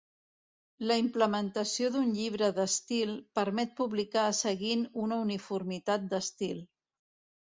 La implementació d'un llibre d'estil permet publicar seguint una uniformitat d'estil.